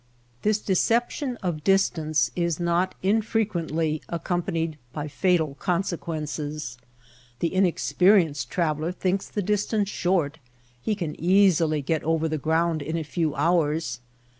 This deception of distance is not infrequently accompanied by fatal consequences. The inex perienced traveller thinks the distance short, he can easily get over the ground in a few hours.